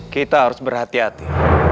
kita harus berhati hati